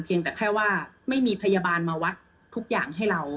แต่แค่ว่าไม่มีพยาบาลมาวัดทุกอย่างให้เรา